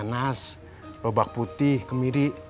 panas robak putih kemiri